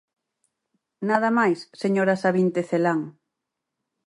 Nada máis, señora Savín Tecelán.